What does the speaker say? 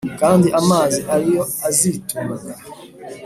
kandi amazi ari yo azitunga